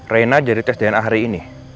reina jadi tes dna hari ini